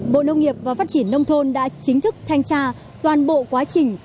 bộ nông nghiệp và phát triển nông thôn đã chính thức thanh tra toàn bộ quá trình